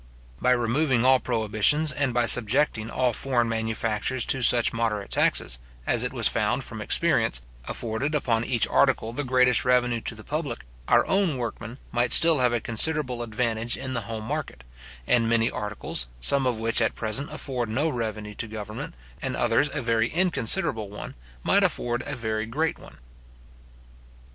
By removing all prohibitions, and by subjecting all foreign manufactures to such moderate taxes, as it was found from experience, afforded upon each article the greatest revenue to the public, our own workmen might still have a considerable advantage in the home market; and many articles, some of which at present afford no revenue to government, and others a very inconsiderable one, might afford a very great one.